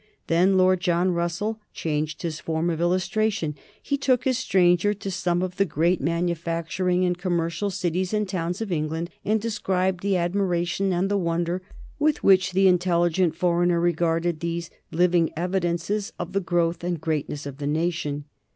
Then Lord John Russell changed his form of illustration. He took his stranger to some of the great manufacturing and commercial cities and towns of England, and described the admiration and the wonder with which the intelligent foreigner regarded these living evidences of the growth and the greatness of the nation.